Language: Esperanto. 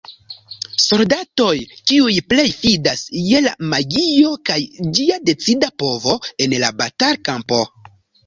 Soldatoj kiuj plej fidas je la magio kaj ĝia decida povo en la batal-kampo.